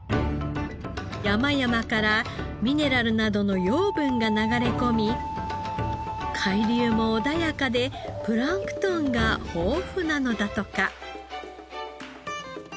山々からミネラルなどの養分が流れ込み海流も穏やかでプランクトンが豊富なのだとか。